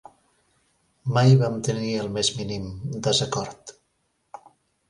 Mai vam tenir el més mínim "desacord".